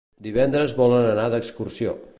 Divendres volen anar d'excursió.